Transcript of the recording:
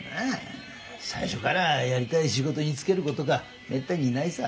最初からやりたい仕事に就ける子とかめったにいないさ。